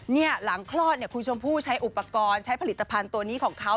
หลังคลอดเนี่ยคุณชมพู่ใช้อุปกรณ์ใช้ผลิตภัณฑ์ตัวนี้ของเขา